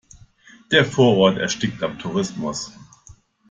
Der Vorort erstickt am Tourismus.